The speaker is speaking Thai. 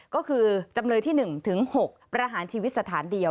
ก็คือจำเลยที่๑ถึง๖ประหารชีวิตสถานเดียว